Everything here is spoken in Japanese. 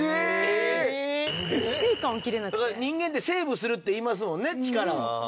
人間って、セーブするって言いますもんね、力を。